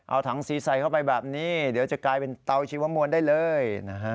เอาถังสีใส่เข้าไปแบบนี้เดี๋ยวจะกลายเป็นเตาชีวมวลได้เลยนะฮะ